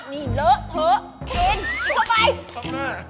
จะหมดแล้วพาพุ้งเจ๋งมาก